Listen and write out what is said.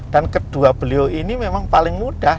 dan kedua beliau ini memang paling mudah